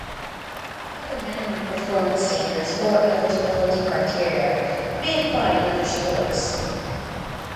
Other minimum performance standards or eligibility criteria may apply in other sports.